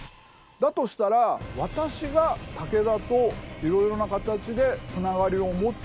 だとしたら私が武田と色々な形でつながりを持つ。